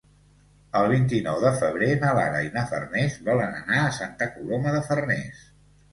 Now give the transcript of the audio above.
El vint-i-nou de febrer na Lara i na Farners volen anar a Santa Coloma de Farners.